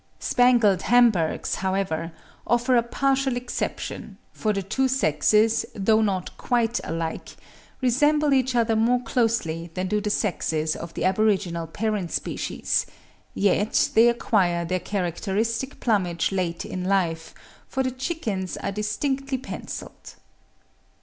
Spangled Hamburgs, however, offer a partial exception; for the two sexes, though not quite alike, resemble each other more closely than do the sexes of the aboriginal parent species; yet they acquire their characteristic plumage late in life, for the chickens are distinctly pencilled.